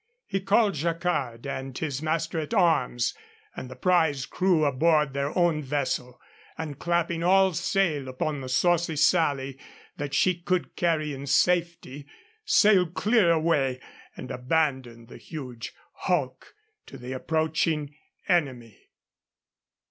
He called Jacquard and his master at arms and the prize crew aboard their own vessel, and, clapping all sail upon the Saucy Sally that she could carry in safety, sailed clear away and abandoned the huge hulk to the approaching enemy.